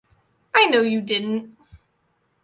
I know you didn't.